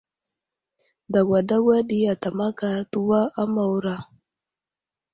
Dagwa dagwa ɗi ata makar təwa a Mawra.